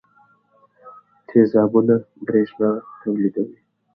تیزابونه برېښنا تولیدوي.